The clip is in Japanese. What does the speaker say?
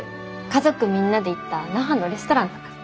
家族みんなで行った那覇のレストランとか。